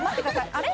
あれ？